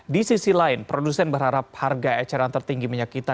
di sisi lain produsen berharap harga eceran tertinggi minyak kita